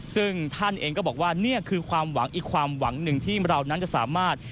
ซึ่งท่านเองก็บอกว่านี่คือความหวังอีกความหวังหนึ่งที่เรานั้นจะสามารถ